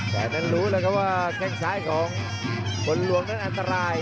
แต่นั้นรู้แล้วครับว่าแข้งซ้ายของผลลวงนั้นอันตราย